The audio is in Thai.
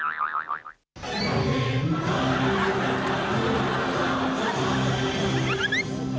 ทำไมอายหมาก็นั่งกินไปครับ